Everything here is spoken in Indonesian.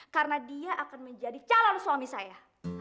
karena dia akan menjadi calon suami saya